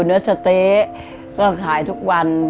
เนื้อสะเต๊ะก็ขายทุกวัน